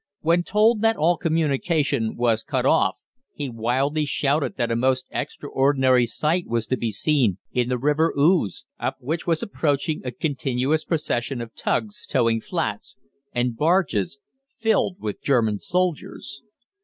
When told that all communication was cut off he wildly shouted that a most extraordinary sight was to be seen in the River Ouse, up which was approaching a continuous procession of tugs, towing flats, and barges filled with German soldiers.